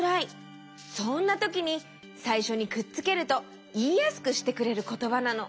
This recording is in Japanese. そんなときにさいしょにくっつけるといいやすくしてくれることばなの。